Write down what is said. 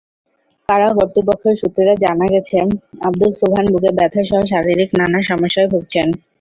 কারা কর্তৃপক্ষ সূত্রে জানা গেছে, আবদুস সুবহান বুকে ব্যথাসহ শারীরিক নানা সমস্যায় ভুগছেন।